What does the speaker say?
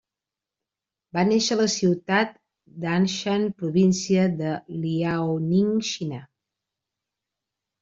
Va néixer a la ciutat d'Anshan, província de Liaoning, Xina.